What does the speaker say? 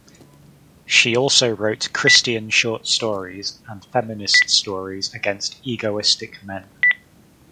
She also wrote Christian short stories and feminist stories against egoistic men.